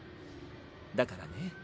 だからね